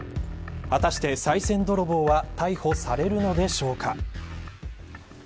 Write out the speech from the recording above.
果たしてさい銭泥棒は逮捕されるのでしょうか。